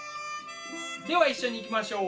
では一緒にいきましょう。